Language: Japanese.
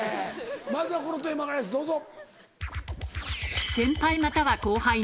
まずはこのテーマからですどうぞ。